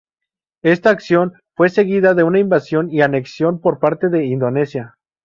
Esta acción fue seguida de una invasión y anexión por parte de Indonesia.